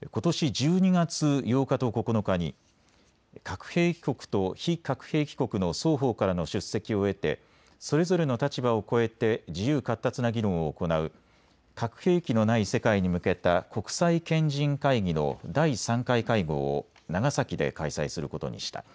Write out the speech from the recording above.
１２月８日と９日に核兵器国と非核兵器国の双方からの出席を得てそれぞれの立場を超えて自由かったつな議論を行う核兵器のない世界に向けた国際賢人会議の第３回会合を長崎で開催することにした。